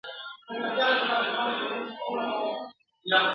د یوه لوی جشن صحنه جوړه سوې وه ..